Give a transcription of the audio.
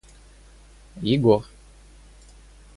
Егор